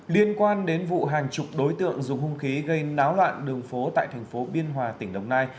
liên quan đến vụ hàng chục đối tượng dùng hung khí gây náo loạn đường phố tại thành phố biên hòa tỉnh đồng nai